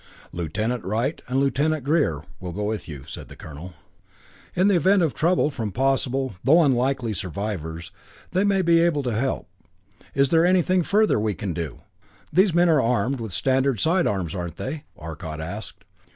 "Lieutenant Wright and Lieutenant Greer will go with you," said the Colonel. "In the event of trouble from possible though unlikely survivors, they may be able to help. Is there anything further we can do?" "These men are armed with the standard sidearms, aren't they?" Arcot asked.